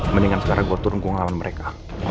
mendingan sekarang gua turun gua ngalahin mereka